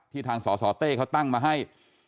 ที่ทางศศเต้เขาตั้งมาให้